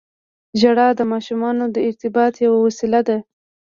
• ژړا د ماشومانو د ارتباط یوه وسیله ده.